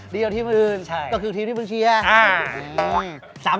เดียวทีมอื่นก็คือทีมที่เพิ่งเชียร์